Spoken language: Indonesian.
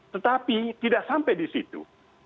tetapi tidak sampai di situ